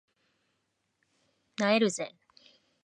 萎えるぜ